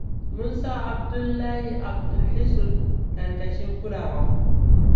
Mun sa Abdullahi Abdullahison ƙarkashin kulawa.